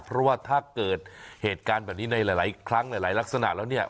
เพราะว่าถ้าเกิดเหตุการณ์แบบนี้ในหลายครั้งหลายลักษณะแล้วเนี่ย